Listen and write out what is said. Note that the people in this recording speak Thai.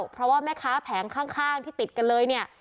เพราะว่าแม่ค้าแผงข้างที่ติดกันเลยเนี่ย